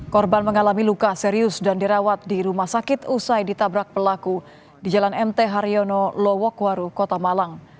korban mengalami luka serius dan dirawat di rumah sakit usai ditabrak pelaku di jalan mt haryono lowokwaru kota malang